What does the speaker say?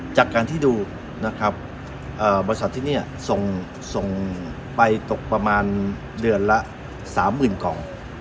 จากการที่ดูนะครับบริษัทที่นี่ส่งไปตกประมาณเดือนละ๓๐๐๐กล่อง